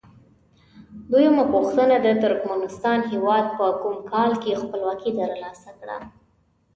دویمه پوښتنه: د ترکمنستان هیواد په کوم کال کې خپلواکي تر لاسه کړه؟